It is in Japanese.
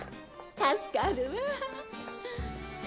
助かるわ。